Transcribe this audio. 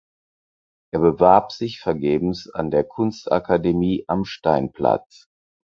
Er bewarb sich vergebens an der Kunstakademie am Steinplatz.